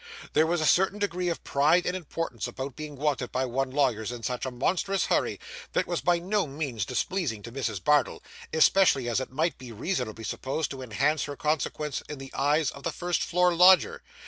There was a certain degree of pride and importance about being wanted by one's lawyers in such a monstrous hurry, that was by no means displeasing to Mrs. Bardell, especially as it might be reasonably supposed to enhance her consequence in the eyes of the first floor lodger.